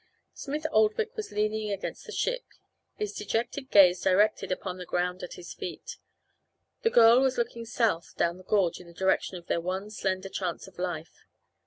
Smith Oldwick was leaning against the ship, his dejected gaze directed upon the ground at his feet. The girl was looking south down the gorge in the direction of their one slender chance of life.